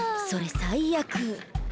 それ最悪。